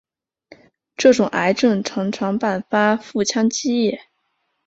这种癌症常常伴发腹腔积液。